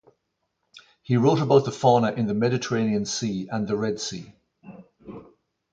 He wrote about the fauna in the Mediterranean Sea and the Red Sea.